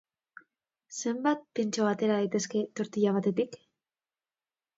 Zenbat pintxo atera daitezke tortila batetik?